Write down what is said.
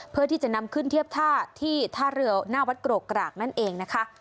เพื่อที่จะนำขึ้นเทียบท่าที่ท่าเรือหน้าวัดกรกกรากนั่นเองนะคะ